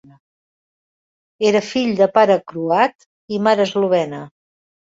Era fill de pare croat i mare eslovena.